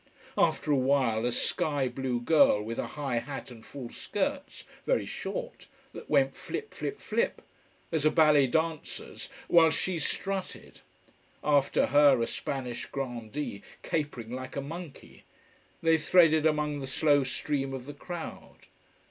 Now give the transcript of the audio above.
After a while a sky blue girl with a high hat and full skirts, very short, that went flip flip flip, as a ballet dancer's, whilst she strutted; after her a Spanish grandee capering like a monkey. They threaded among the slow stream of the crowd.